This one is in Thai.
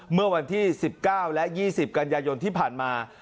เมื่อวันที่๑๙และ๒๐กันยายนที่ผ่านมา